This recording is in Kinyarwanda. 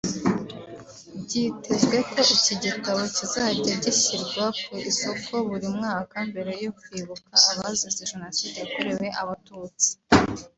Byitezwe ko iki gitabo kizajya gishyirwa ku isoko buri mwaka mbere yo kwibuka abazize Jenoside yakorewe Abatutsi